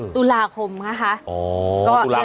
ตุลาคมนะคะ